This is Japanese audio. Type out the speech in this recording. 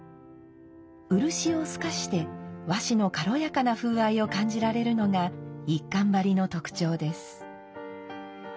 漆を透かして和紙の軽やかな風合いを感じられるのが一閑張の特徴です。